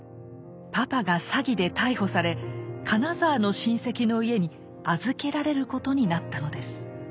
パパが詐欺で逮捕され金沢の親戚の家に預けられることになったのです。